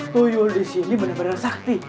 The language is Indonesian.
tuyul disini bener bener sakti